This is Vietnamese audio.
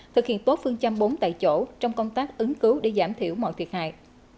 thực hiện tốt phương châm bốn tại chỗ trong công tác ứng cứu để giảm thiểu mọi thiệt hại